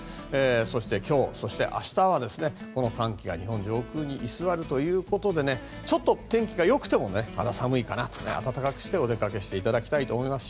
そして今日、明日も寒気が日本上空に居座るということで天気が良くてもちょっと肌寒いかなと、暖かくしてお出かけしていただきたいと思います。